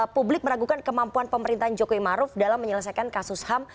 publik meragukan kemampuan pemerintahan jokowi maruf dalam menyelesaikan kasus ham